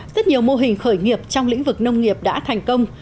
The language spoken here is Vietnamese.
rất nhiều mô hình khởi nghiệp trong lĩnh vực nông nghiệp đã thành công